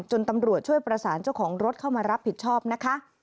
จนตำรวจช่วยประสานเจ้าของรถเข้ามารับผิดชอบนะคะ